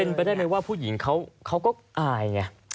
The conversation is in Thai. เป็นไปได้ไหมว่าผู้หญิงเขาก็อายไง